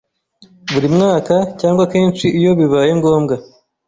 buri mwaka cyangwa kenshi iyo bibaye ngombwa